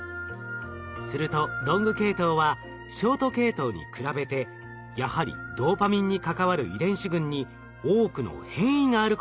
するとロング系統はショート系統に比べてやはりドーパミンに関わる遺伝子群に多くの変異があることが分かりました。